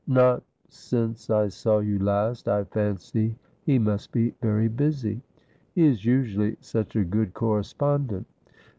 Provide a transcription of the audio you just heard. ' Not since I saw you last. I fancy he must be very busy. He is usually such a good correspondent.'